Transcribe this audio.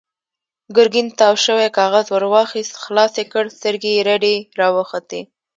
ګرګين تاو شوی کاغذ ور واخيست، خلاص يې کړ، سترګې يې رډې راوختې.